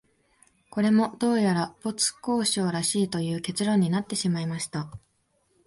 これも、どうやら没交渉らしいという結論になってしまいました